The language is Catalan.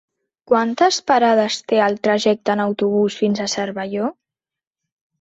Quantes parades té el trajecte en autobús fins a Cervelló?